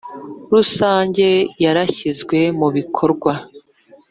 Rusange yarashyizwe mubikorwa